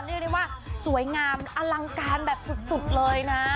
เรียกได้ว่าสวยงามอลังการแบบสุดเลยนะ